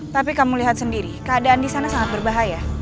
tapi kamu lihat sendiri keadaan di sana sangat berbahaya